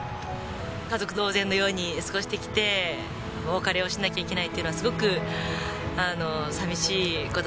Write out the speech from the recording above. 家族同然のように過ごしてきてお別れをしなきゃいけないっていうのはすごく寂しい事ですね。